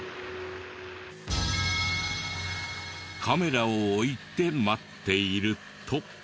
カメラを置いて待っていると。